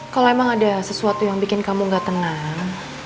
kalau emang ada sesuatu yang bikin kamu gak tenang